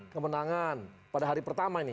kemenangan pada hari pertama ini